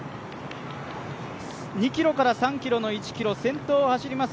２ｋｍから３ｋｍの１ｋｍ、先頭を走ります